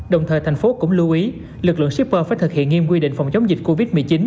đồng thời thành phố cũng lưu ý lực lượng shipper phải thực hiện nghiêm quy định phòng chống dịch covid một mươi chín